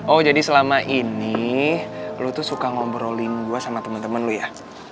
oh jadi selama ini lo tuh suka ngobrolin gue sama temen temen lo ya